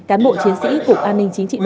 cán bộ chiến sĩ cục an ninh chính trị nội